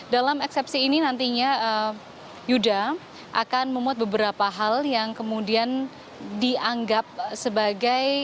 dalam eksepsi ini nantinya yuda akan memuat beberapa hal yang kemudian dianggap sebagai